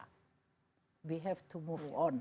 kita harus bergerak